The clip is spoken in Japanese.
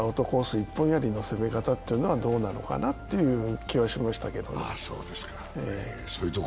一本やりの攻め方というのはどうなのかなっていう気はしましたけれどもね。